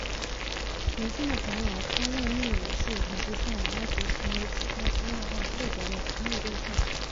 年轻的法老托勒密五世统治下的埃及成为其他希腊化各国的侵略对象。